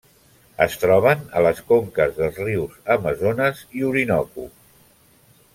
Es troben a les conques dels rius Amazones i Orinoco.